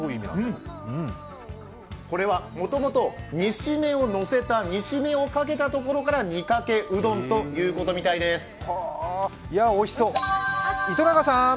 これはもともと煮しめをのせた煮しめをかけたところからにかけうどんということみたいです。